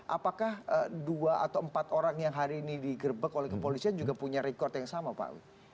apakah dua atau empat orang yang hari ini digerbek oleh kepolisian juga punya rekod yang sama pak